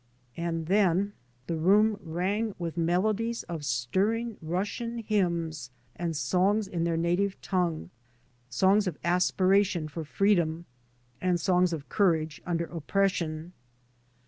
And then the room rang with melodies of stirring Russian hymns and the songs in their native tongue, songs of aspira tion for freedom, and songs of courage under oppression.